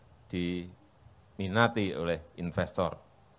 sangat diminati oleh investor